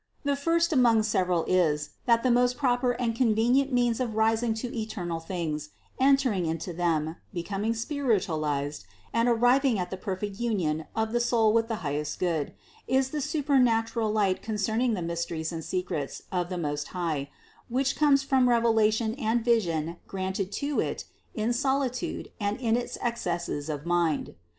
The first among several is, that the most proper and convenient means of rising to eternal things, entering into them, becoming spiritualized, and arriving at the per fect union of the soul with the highest Good, is the super natural light concerning the mysteries and secrets of the Most High, which comes from revelation and vision granted to it in solitude and in its excesses of mind.